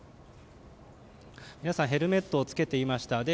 皆さんヘルメットを着けていました。